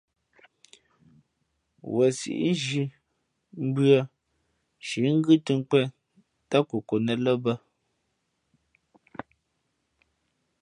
Wen síʼ nzhī mbʉ̄ᾱ nshǐ ngʉ́ tᾱ^nkwēn ntám kokonet lά bᾱ.